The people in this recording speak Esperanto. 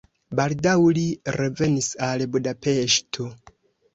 Baldaŭ li revenis al Budapeŝto.